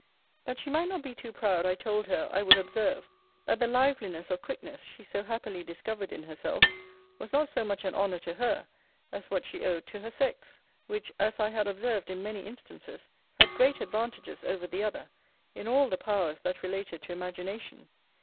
That she might not be too proud, I told her, I would observe, that the liveliness or quickness she so happily discovered in herself, was not so much an honour to her, as what she owed to her sex; which, as I had observed in many instances, had great advantages over the other, in all the powers that related to imagination.